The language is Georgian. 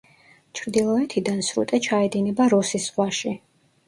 ჩრდილოეთიდან სრუტე ჩაედინება როსის ზღვაში.